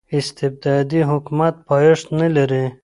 استبدادي حکومت پایښت نلري.